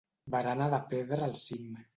Barana de pedra al cim.